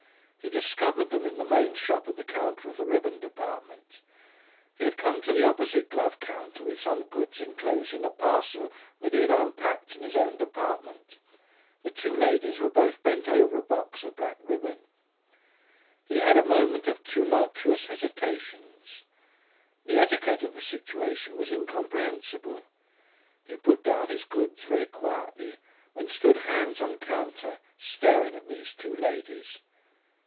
He discovered them in the main shop at the counter of the ribbon department. He had come to the opposite glove counter with some goods enclosed in a parcel that he had unpacked in his own department. The two ladies were both bent over a box of black ribbon. He had a moment of tumultuous hesitations. The etiquette of the situation was incomprehensible. He put down his goods very quietly and stood hands on counter, staring at these two ladies.